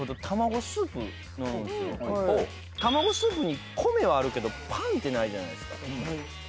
卵スープに米はあるけどパンってないじゃないですか。